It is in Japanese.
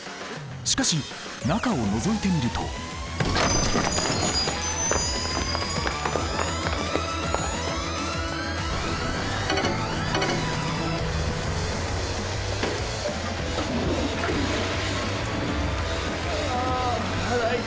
しかし中をのぞいてみるとあ腹痛え。